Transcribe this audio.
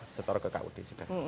setor ke kak udi sudah